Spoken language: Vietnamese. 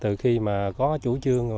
từ khi mà có chủ trương